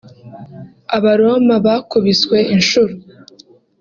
Abaroma bakubiswe inshuro